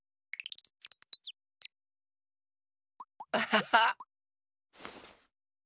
アハハッ。